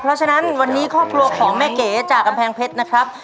เพราะฉะนั้นวันนี้ครอบครัวของแม่เก๋จากกำแพงเพชรนะครับ